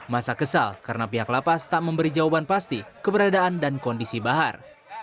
masa kesal karena pihak lapas tak memberi jawaban pasti keberadaan dan kondisi bahar